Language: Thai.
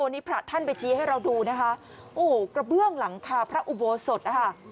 นี่พระท่านไปชี้ให้เราดูนะคะโอ้โหกระเบื้องหลังคาพระอุโบสถนะคะ